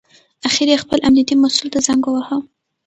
اخر یې خپل امنیتي مسوول ته زنګ وواهه.